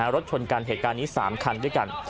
รถชนกันเหตุการณ์นี้๓คันด้วยกัน